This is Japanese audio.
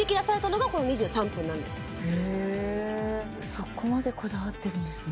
そこまでこだわってるんですね